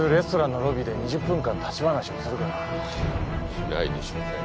しないでしょうね。